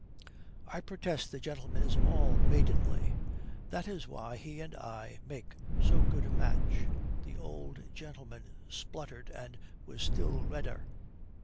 "I protest the gentleman is all maidenly. That is why he and I make so good a match." The old gentleman spluttered and was still redder.